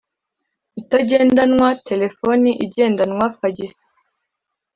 Itagendanwa telefoni igendanwa fagisi